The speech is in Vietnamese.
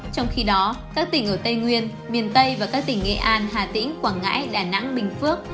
trong khi đó các tỉnh ở tây nguyên miền tây và các tỉnh nghệ an hà tĩnh quảng ngãi đà nẵng bình phước